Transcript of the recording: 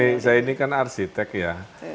ini saya ini kan arsitek ya